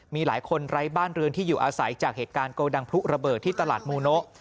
มีหลายคนไร้บ้านเรือนที่อยู่อาศัยจากเหตุการณ์โกดังพลุระเบิดที่ตลาดมูโนะ